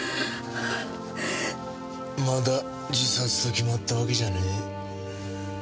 まだ自殺と決まったわけじゃねえ。